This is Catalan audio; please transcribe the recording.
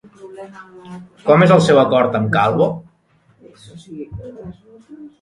Com és el seu acord amb Calvo?